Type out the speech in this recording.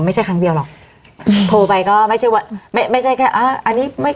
ไม่ใช่ครั้งเดียวหรอกอืมโทรไปก็ไม่ใช่ว่าไม่ไม่ใช่แค่อ่าอันนี้ไม่